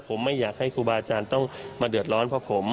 ผมไม่อยากให้ครูบาอาจารย์ต้องมาเดือดร้อนเพราะผม